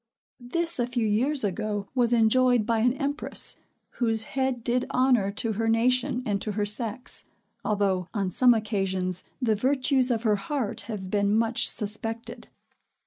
This a few years ago, was enjoyed by an empress, whose head did honor to her nation and to her sex; although, on some occasions, the virtues of her heart have been much suspected.